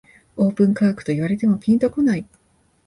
オープン価格と言われてもピンとこない